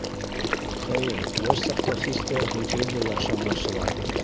Хәйер, йәш саҡта хистәр һүҙһеҙ ҙә яҡшы аңлашыла.